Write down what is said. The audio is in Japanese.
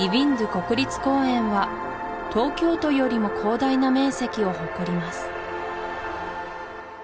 国立公園は東京都よりも広大な面積を誇ります